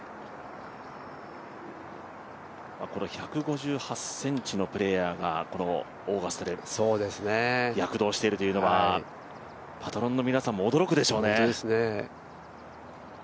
この１５８ｃｍのプレーヤーがこのオーガスタで躍動しているというのはパトロンの皆さんも驚くでしょうね。